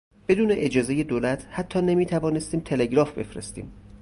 بدون اجازهی دولت حتی نمیتوانستیم تلگراف بفرستیم.